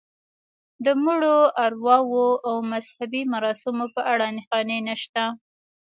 د مړو ارواوو او مذهبي مراسمو په اړه نښانې نشته.